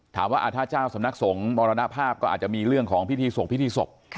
ถามว่าถ้าเจ้าสำนักสงฆ์มรณภาพก็อาจจะมีเรื่องของพิธีส่งพิธีศพ